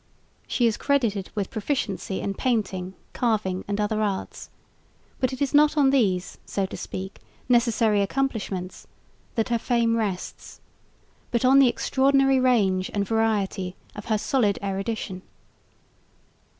She is credited with proficiency in painting, carving and other arts; but it is not on these, so to speak, accessory accomplishments that her fame rests, but on the extraordinary range and variety of her solid erudition.